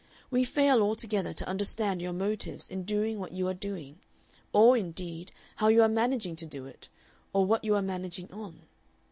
We fail altogether to understand your motives in doing what you are doing, or, indeed, how you are managing to do it, or what you are managing on.